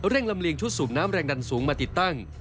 ลำเลียงชุดสูบน้ำแรงดันสูงมาติดตั้ง